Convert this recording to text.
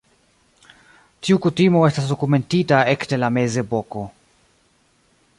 Tiu kutimo estas dokumentita ekde la Mezepoko.